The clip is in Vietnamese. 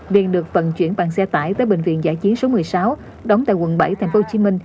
liền được vận chuyển bằng xe tải tới bệnh viện giả chiến số một mươi sáu đóng tại quận bảy tp hcm